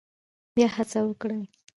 بیا هڅه وکړئ